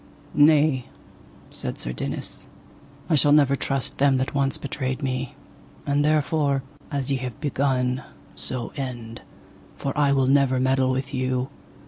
Nay, said Sir Dinas, I shall never trust them that once betrayed me, and therefore, as ye have begun, so end, for I will never meddle with you.